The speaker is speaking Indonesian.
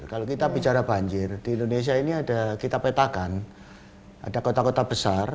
kalau kita bicara banjir di indonesia ini ada kita petakan ada kota kota besar